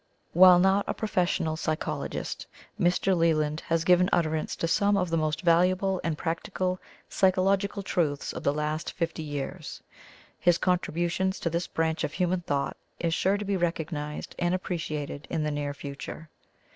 While not a professional psychologist, Mr. Leland has given utterance to some of the most valuable and practical psychological truths of the last fifty years, his contributions to this branch of human thought is sure to be recognized and appreciated in the near future.